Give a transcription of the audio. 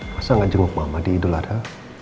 masa gak jenguk mama di idul ada